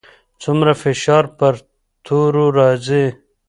څومره فشار پر تورو راځي؟